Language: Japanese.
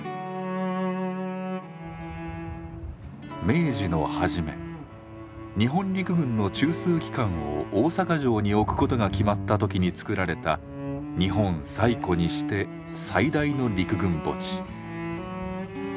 明治の初め日本陸軍の中枢機関を大阪城に置くことが決まった時に作られた日本最古にして最大の陸軍墓地。